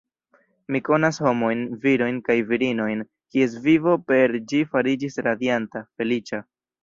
Mi konas homojn, virojn kaj virinojn, kies vivo per ĝi fariĝis radianta, feliĉa.